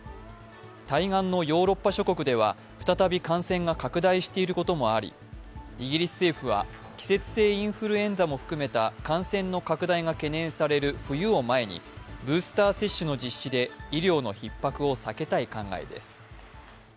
対岸のヨーロッパ諸国では再び感染が拡大していることもあり、イギリス政府は季節性インフルエンザも含めた感染の拡大が懸念される冬を前にブースター接種の実施で医療のひっ迫を避けたい考えです。